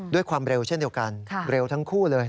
ด้วยความเร็วเช่นเดียวกันเร็วทั้งคู่เลย